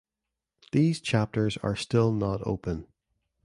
These chapters are still not open.